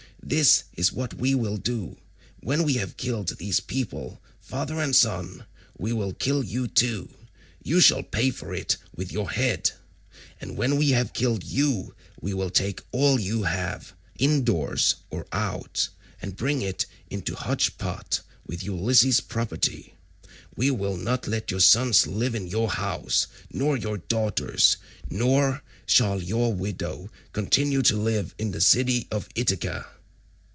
This is what we will do: when we have killed these people, father and son, we will kill you too. You shall pay for it with your head, and when we have killed you, we will take all you have, in doors or out, and bring it into hotch pot with Ulysses' property; we will not let your sons live in your house, nor your daughters, nor shall your widow continue to live in the city of Ithaca."